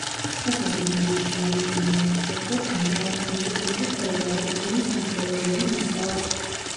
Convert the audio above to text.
სოფლის მიდამოებში აღმოჩენილია აგრეთვე ბრინჯაოს, ანტიკური და ფეოდალური ხანის არქეოლოგიური მასალაც.